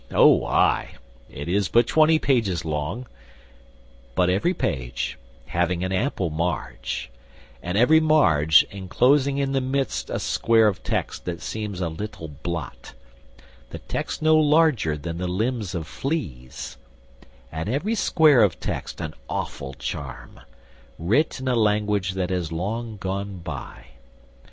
O ay, it is but twenty pages long, But every page having an ample marge, And every marge enclosing in the midst A square of text that looks a little blot, The text no larger than the limbs of fleas; And every square of text an awful charm, Writ in a language that has long gone by.